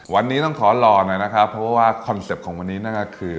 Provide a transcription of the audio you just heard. วันนี้ต้องขอรอหน่อยนะครับเพราะว่าคอนเซ็ปต์ของวันนี้นั่นก็คือ